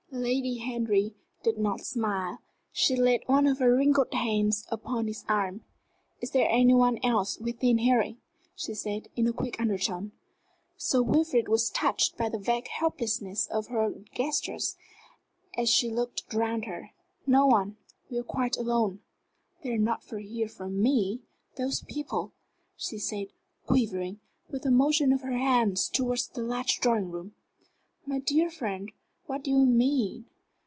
Lady Henry did not smile. She laid one of her wrinkled hands upon his arm. "Is there any one else within hearing?" she said, in a quick undertone. Sir Wilfrid was touched by the vague helplessness of her gesture, as she looked round her. "No one we are quite alone." "They are not here for me those people," she said, quivering, with a motion of her hand towards the large drawing room. "My dear friend, what do you mean?"